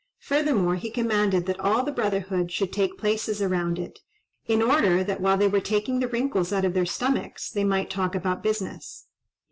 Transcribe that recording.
Furthermore he commanded that all the brotherhood should take places around it, in order that while they were taking the wrinkles out of their stomachs, they might talk about business.